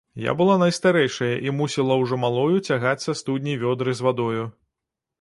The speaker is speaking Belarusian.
Я была найстарэйшая і мусіла ўжо малою цягаць са студні вёдры з вадою.